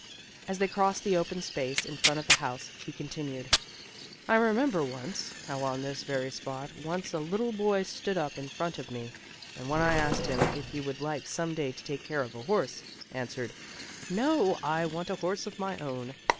As they crossed the open space in front of the house, he continued, "I remember once how on this very spot once a little boy stood up in front of me, and when I asked him if he would like some day to take care of a horse, answered, 'No, I want a horse of my own.'